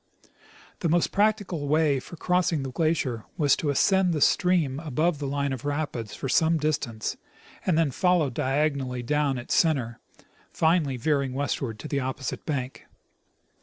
The most practicable way for crossing the glacier was to ascend the stream above the line of rapids for some distance, and then follow diagonally down its center, finally veering westward to the opposite bank.